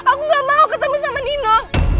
aku gak mau ketemu sama nino